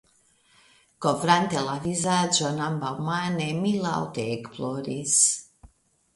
Kovrante la vizaĝon ambaŭmane, mi laŭte ekploris.